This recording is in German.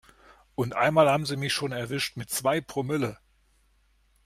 Und einmal haben sie mich schon erwischt mit zwei Promille.